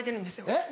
えっ？